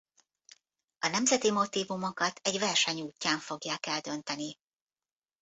A nemzeti motívumokat egy verseny útján fogják eldönteni.